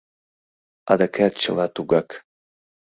Адакат чыла тугак.